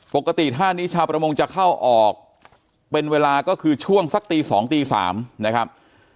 ท่านี้ชาวประมงจะเข้าออกเป็นเวลาก็คือช่วงสักตี๒ตี๓นะครับ